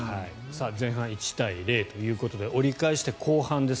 前半１対０ということで折り返して後半です。